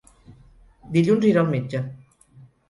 Dilluns irà al metge.